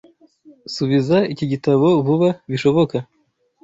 Subiza iki gitabo vuba bishoboka.